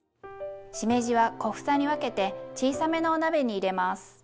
しめじは小房に分けて小さめのお鍋に入れます。